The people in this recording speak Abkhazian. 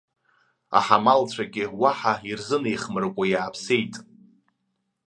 Аҳамалцәагьы уаҳа ирзынеихмыркәо иааԥсеит.